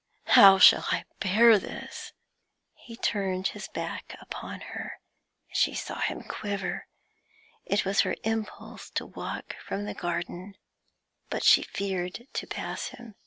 How shall I bear this?' He turned his back upon her; she saw him quiver. It was her impulse to walk from the garden, but she feared to pass him.